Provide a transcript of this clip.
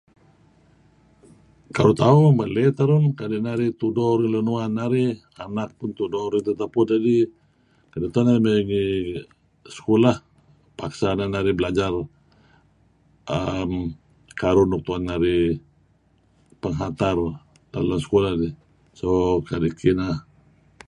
Karuh tauh maley terun kadi' narih tudo ruyung lun uan narih. Anak pun tudo ruyung tetapuh dedih. Tak narih mey ngi sekolah paksa neh narih belajar uhm karuh uhm nuk tuen narih penghantar lem sekolah. Kadi' kineh.